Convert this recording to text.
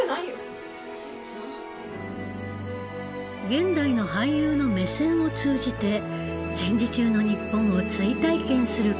現代の俳優の目線を通じて戦時中の日本を追体験する試み。